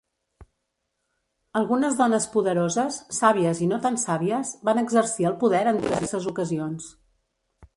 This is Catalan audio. Algunes dones poderoses, sabies i no tan sabies, van exercir el poder en diverses ocasions.